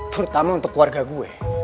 terutama untuk keluarga aku